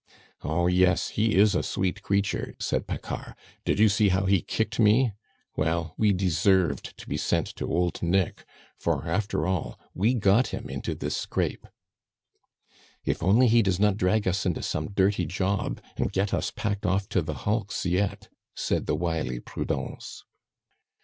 "Oh, yes! He is a sweet creature," said Paccard. "Did you see how he kicked me? Well, we deserved to be sent to old Nick; for, after all, we got him into this scrape." "If only he does not drag us into some dirty job, and get us packed off to the hulks yet," said the wily Prudence.